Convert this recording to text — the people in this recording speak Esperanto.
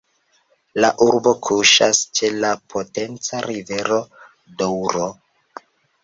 La urbo kuŝas ĉe la potenca rivero Douro.